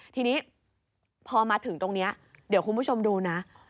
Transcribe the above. ทีนี้พอมาถึงตรงนี้เดี๋ยวคุณผู้ชมดูนะ